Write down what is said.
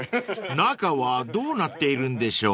［中はどうなっているんでしょう］